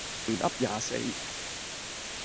亂噏廿四